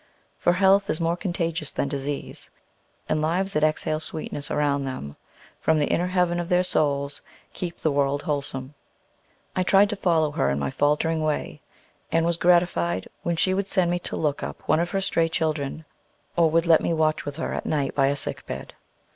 For health is more contagious than disease, and lives that exhale sweetness around them from the inner heaven of their souls keep the world wholesome. I tried to follow her in my faltering way, and was gratified when she would send me to look up one of her stray children, or would let me watch with her at night by a sick bed.